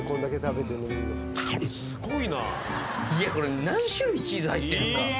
いやこれ何種類チーズ入ってるんですか？